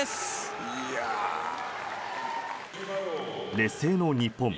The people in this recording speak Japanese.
劣勢の日本。